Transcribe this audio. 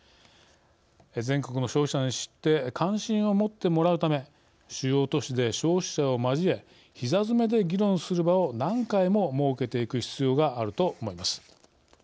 全国の消費者に知って関心を持ってもらうため主要都市で消費者を交えひざ詰めで議論する場を何回も設けていく必要があると思います。